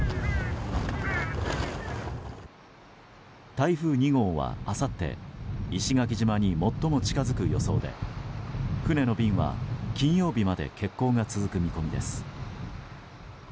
台風２号は、あさって石垣島に最も近づく予想で船の便は、金曜日まで欠航が続く見込みです。